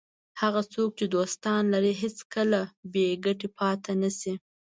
هغه څوک چې دوستان لري هېڅکله بې ګټې پاتې نه شي.